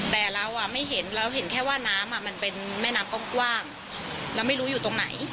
แต่เราไม่เห็นเราเห็นแค่ว่าน้ำมันเป็นแม่น้ำกว้างเราไม่รู้อยู่ตรงไหน